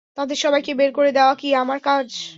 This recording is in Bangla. তাদের সাবাইকে বের করে দেওয়া কী আমার কাজ?